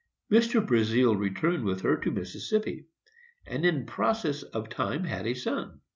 Mr. Brazealle returned with her to Mississippi, and in process of time had a son.